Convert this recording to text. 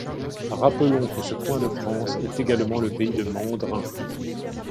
Rappelons que ce coin de France est également le pays de Mandrin.